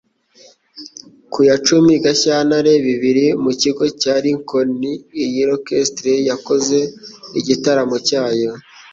Ku ya cumi Gashyantare bibiri mu kigo cya Lincoln, iyi orchestre yakoze igitaramo cyayo